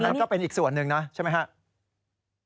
เชี่ยวนำก็เป็นอีกส่วนหนึ่งนะใช่ไม่ครับ